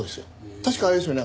確かあれですよね。